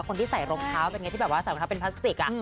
คนที่ใส่รองเท้าเป็นแบบตัวที่ใส่รองเท้าเป็นพลาสติก